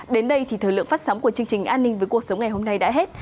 đến đây thì thời lượng phát sóng của chương trình an ninh với cuộc sống ngày hôm nay đã hết